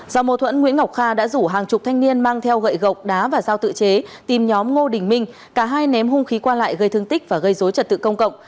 do mâu thuẫn nguyễn ngọc kha đã rủ hàng chục thanh niên mang theo gậy gộc đá và giao tự chế tìm nhóm ngô đình minh cả hai ném hung khí qua lại gây thương tích và gây dối trật tự công cộng